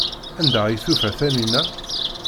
Anda ay yufa Taninna?